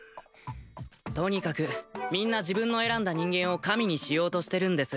とにかくみんな自分の選んだ人間を神にしようとしてるんです